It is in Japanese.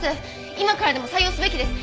今からでも採用すべきです！